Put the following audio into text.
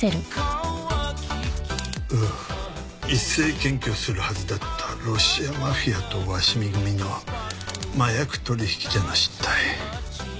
一斉検挙するはずだったロシアマフィアと鷲見組の麻薬取引での失態。